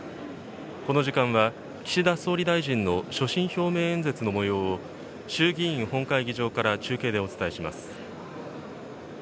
この時間は岸田総理大臣の所信表明演説のもようを、衆議院本会議場から中継でお伝えします。